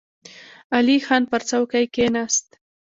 علی خان پر څوکۍ کېناست.